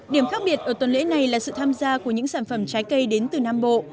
điểm khác biệt ở tuần lễ này là sự tham gia của những sản phẩm trái cây đến từ nam bộ